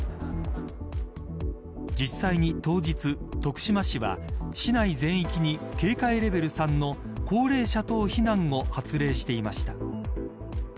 実際に当日徳島市は市内全域に警戒レベル３の高齢者等避難を発令していました。